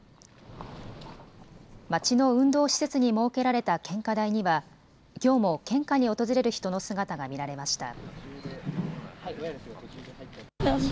町の運動施設に設けられた献花台には、きょうも献花に訪れる人の姿が見られました。